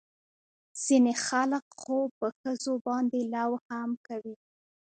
ځينې خلق خو په ښځو باندې لو هم کوي.